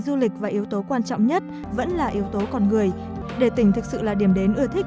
du lịch và yếu tố quan trọng nhất vẫn là yếu tố con người để tỉnh thực sự là điểm đến ưa thích